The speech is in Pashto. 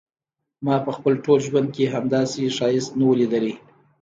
ما په خپل ټول ژوند کې همداسي ښایست نه و ليدلی.